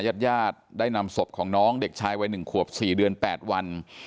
ญาติญาติได้นำศพของน้องเด็กชายวัย๑ขวบ๔เดือน๘วัน